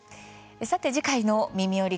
次回の「みみより！